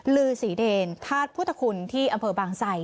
ฤศีเดนทาสพุทธคุณที่อำเภอบางไสต์